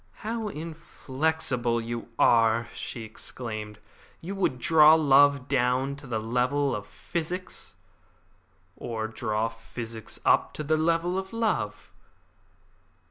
"How inflexible you are!" she exclaimed; "you would draw love down to the level of physics." "Or draw physics up to the level of love."